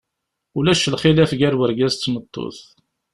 Ulac lxilaf gar wergaz d tmeṭṭut.